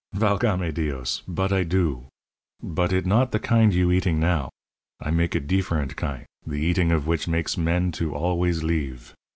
"Valgame Dios! but I do. But it not the kind you eating now. I make a deeferent kind, the eating of which makes men to always leeve.